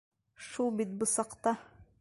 Шул бит бысаҡта.